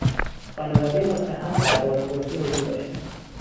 خانوادهی متهم در بازپرسی حضور داشتند.